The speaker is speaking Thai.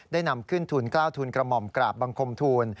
ได้นำขึ้นทุน๙ทุนกระหม่อมกราบบังคมทุน